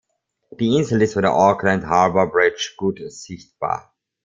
Die Insel ist von der Auckland Harbour Bridge gut sichtbar.